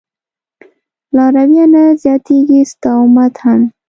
لارويه نه زياتېږي ستا امت هم